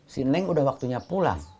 si neng udah waktunya pulang